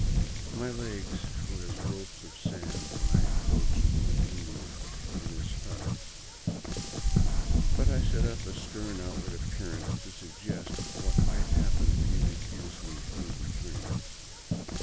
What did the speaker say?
My legs were as ropes of sand when I approached an Indian in his hut door, but I set up a stern outward appearance to suggest what might happen if he refused me food and drink.